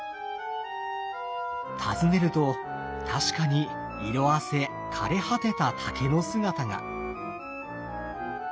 訪ねると確かに色あせ枯れ果てた竹の姿が。